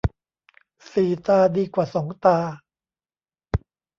สี่ตาดีกว่าสองตา